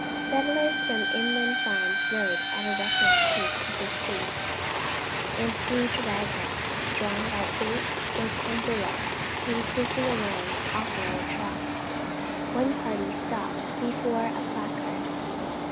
Settlers from inland farms rode at a reckless pace through the streets, and huge waggons drawn by eight or ten bullocks came creaking along, often at a trot. One of the party stopped before a placard.